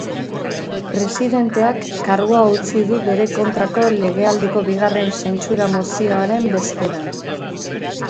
Presidenteak kargua utzi du bere kontrako legealdiko bigarren zentsura mozioaren bezperan.